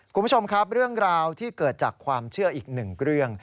คุณผู้ชมครับเรื่องราวที่เกิดจากความเชื่ออีกหนึ่งเรื่อง